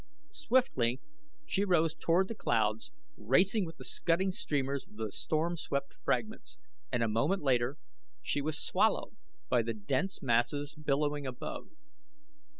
Swiftly she rose toward the clouds, racing with the scudding streamers of the storm swept fragments, and a moment later she was swallowed by the dense masses billowing above.